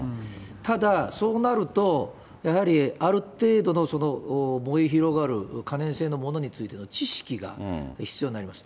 ただ、そうなると、やはり、ある程度の燃え広がる、可燃性のものについての知識が必要になります。